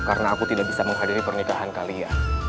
karena aku tidak bisa menghadiri pernikahan kalian